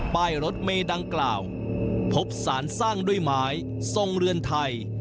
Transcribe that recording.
ป้ายรถเมดังกล่าวพบสารสร้างด้วยไม้ทรงเรือนไทย